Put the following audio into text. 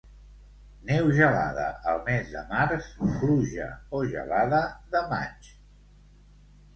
Neu gelada al mes de març, pluja o gelada de maig.